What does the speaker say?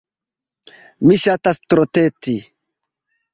Mi ŝatas troteti.